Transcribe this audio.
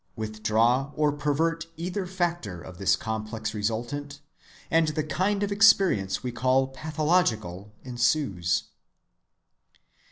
Withdraw or pervert either factor of this complex resultant, and the kind of experience we call pathological ensues.